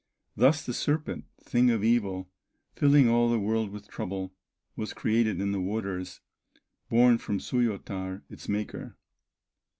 Thus the serpent, thing of evil, Filling all the world with trouble, Was created in the waters Born from Suoyatar, its maker."